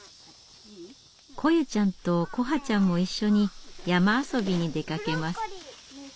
來夢ちゃんと來華ちゃんも一緒に山遊びに出かけます。